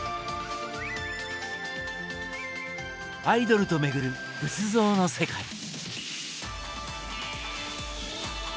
「アイドルと巡る仏像の世界」。